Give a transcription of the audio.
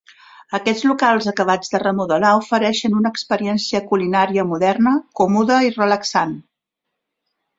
Aquests locals acabats de remodelar ofereixen una experiència culinària moderna, còmoda i relaxant.